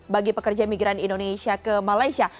bagi pekerja migran indonesia ke malaysia